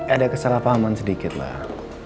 ada kesalahpahaman sedikit lah